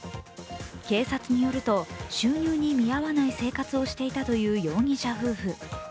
警察によると収入に見合わない生活をしていたという容疑者夫婦。